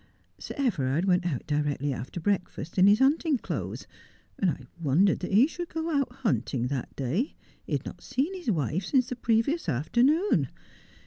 Sir Everard went out directly after breakfast, in his hunting clothes, and I wondered that he should go out hunting that day. He had not seen his wife since the previous afternoon.